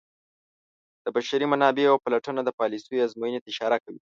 د بشري منابعو پلټنه د پالیسیو ازموینې ته اشاره کوي.